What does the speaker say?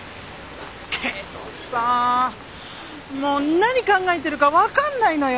けどさもう何考えてるかわかんないのよ